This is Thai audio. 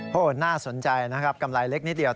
โอ้โหน่าสนใจนะครับกำไรเล็กนิดเดียว